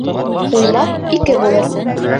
Уймаҡ ике булыр.